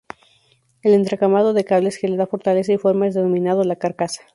El entramado de cables que le da fortaleza y forma es denominado la carcasa.